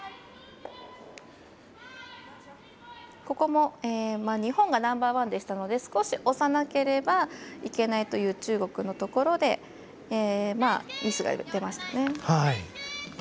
ここも日本がナンバーワンでしたので少し押さなければいけないという中国のところでミスが出ましたね。